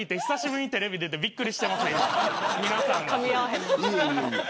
久しぶりにテレビに出てびっくりしてます。